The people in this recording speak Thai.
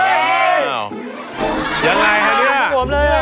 เทมเทมเทมอย่างไรค่ะนี่